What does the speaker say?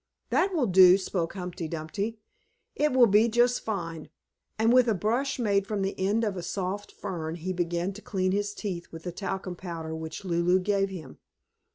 "That will do," spoke Humpty Dumpty. "It will be just fine." And with a brush made from the end of a soft fern he began to clean his teeth with the talcum powder which Lulu gave him.